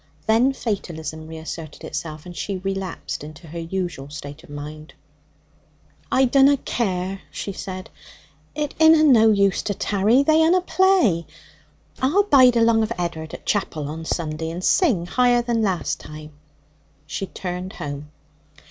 Then fatalism reasserted itself, and she relapsed into her usual state of mind. 'I dunna care,' she said. 'It inna no use to tarry. They unna play. I'll bide along of Ed'ard at chapel on Sunday, and sing higher than last time.' She turned home.